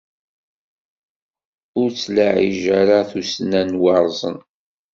Ur ttlaɛej ara tussna n waṛẓen!